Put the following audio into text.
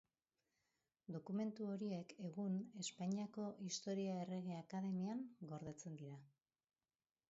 Dokumentu horiek egun Espainiako Historia Errege Akademian gordetzen dira.